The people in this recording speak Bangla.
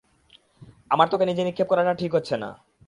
আমার তোকে নিচে নিক্ষেপ করাটা ঠিক হচ্ছে না!